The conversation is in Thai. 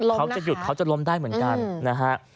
เขาจะหยุดเขาจะล้มได้เหมือนกันนะฮะ